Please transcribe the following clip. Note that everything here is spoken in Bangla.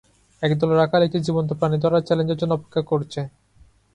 একদল রাখাল একটি জীবন্ত প্রাণী ধরার চ্যালেঞ্জের জন্য অপেক্ষা করছে।